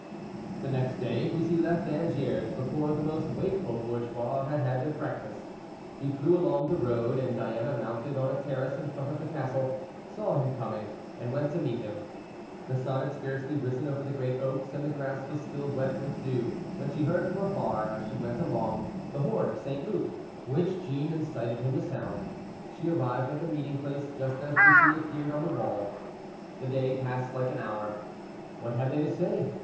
The next day, Bussy left Angers before the most wakeful bourgeois had had their breakfast. He flew along the road, and Diana, mounted on a terrace in front of the castle, saw him coming, and went to meet him. The sun had scarcely risen over the great oaks, and the grass was still wet with dew, when she heard from afar, as she went along, the horn of St. Luc, which Jeanne incited him to sound. She arrived at the meeting place just as Bussy appeared on the wall. The day passed like an hour. What had they to say?